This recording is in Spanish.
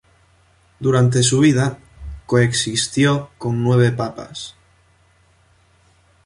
Durante su vida, coexistió con nueve papas.